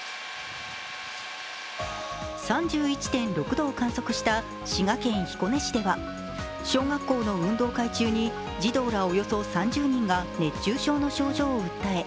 ３１．６度を観測した滋賀県彦根市では小学校の運動会中に児童らおよそ３０人が熱中症の症状を訴え